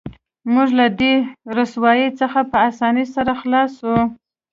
موږ له دې رسوایۍ څخه په اسانۍ سره خلاص شو